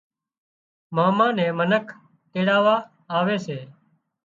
ماما نين منک تيڙوا آوي سي